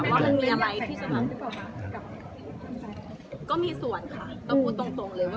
ก็มีส่วนค่ะต้องพูดตรงเลยว่ามีส่วนค่ะ